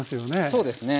そうですね。